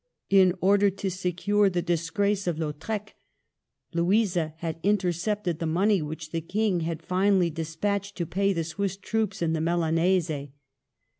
In order to secure the disgrace of Lautrec, Louisa had intercepted the money which the King had finally despatched to pay the Swiss troops in the Milanese.